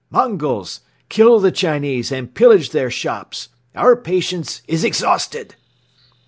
Mongols, kill the Chinese and pillage their shops! Our patience is exhausted!"